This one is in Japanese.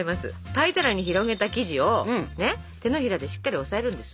パイ皿に広げた生地を手のひらでしっかり押さえるんです。